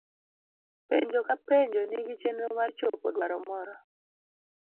Penjo ka penjo nigi chenro mar chopo dwaro moro.